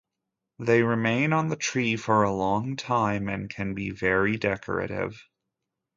They remain on the tree for a long time and can be very decorative.